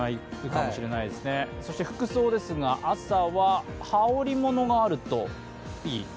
そして服装ですが、朝は羽織物があるといい。